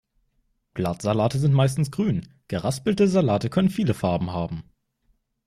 Blattsalate sind meistens grün, geraspelte Salate können viele Farben haben.